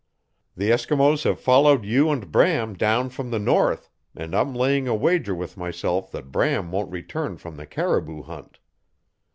The Eskimos have followed you and Bram down from the north, and I'm laying a wager with myself that Bram won't return from the caribou hunt.